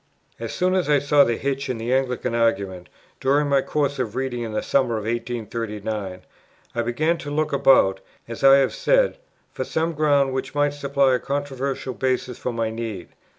As soon as I saw the hitch in the Anglican argument, during my course of reading in the summer of 1839, I began to look about, as I have said, for some ground which might supply a controversial basis for my need.